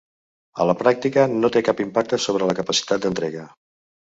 A la pràctica, no té cap impacte sobre la capacitat d'entrega.